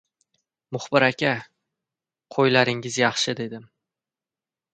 — Muxbir aka, qo‘ylaringiz yaxshi! — dedim.